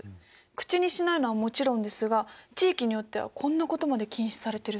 口にしないのはもちろんですが地域によってはこんなことまで禁止されてるそうです。